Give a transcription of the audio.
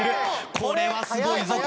これはすごいぞ。